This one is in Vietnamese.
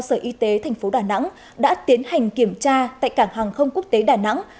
sở y tế thành phố đà nẵng đã tiến hành kiểm tra tại cảng hàng không quốc tế đà nẵng